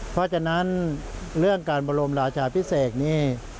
เพราะฉะนั้นเรื่องการบรมราชาพิเศษนี่